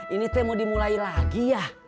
ini saya mau dimulai lagi ya